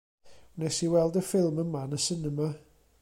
Wnes i weld y ffilm yna yn y sinema.